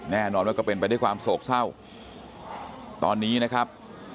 แน่นอนว่าก็เป็นไปด้วยความโศกเศร้าตอนนี้นะครับ